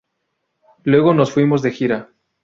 Luego nos fuimos de gira.